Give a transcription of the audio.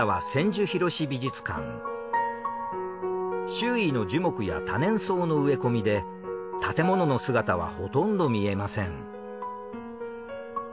周囲の樹木や多年草の植え込みで建物の姿はほとんど見えません。